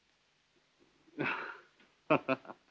あハハハ。